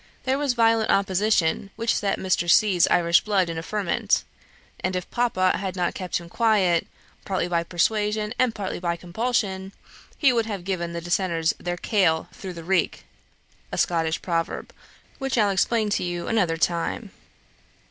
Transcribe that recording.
There was violent opposition, which set Mr. C.'s Irish blood in a ferment, and if papa had not kept him quiet, partly by persuasion and partly by compulsion, he would have given the Dissenters their kale through the reek a Scotch proverb, which I will explain to you another time.